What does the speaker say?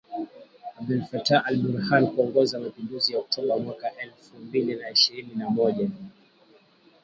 Abdel Fattah al-Burhan kuongoza mapinduzi ya Oktoba mwaka elfu mbili na ishirini na moja